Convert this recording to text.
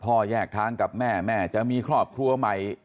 แยกทางกับแม่แม่จะมีครอบครัวใหม่